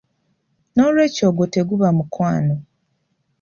Noolwekyo ogwo teguba mukwano.